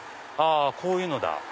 こういうのだ。